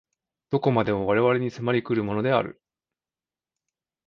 何処までも我々に迫り来るものである。